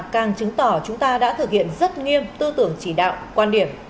càng chứng tỏ chúng ta đã thực hiện rất nghiêm tư tưởng chỉ đạo quan điểm